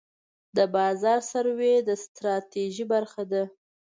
د بازار سروې د ستراتیژۍ برخه ده.